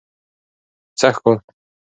سږ کال